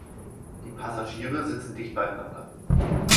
Die Passagiere sitzen dicht beieinander.